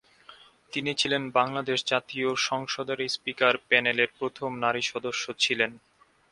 তিনি ছিলেন বাংলাদেশ জাতীয় সংসদের স্পিকার প্যানেলের প্রথম নারী সদস্য ছিলেন।